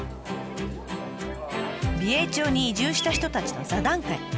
美瑛町に移住した人たちの座談会。